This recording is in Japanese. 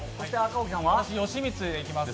私は吉光でいきます。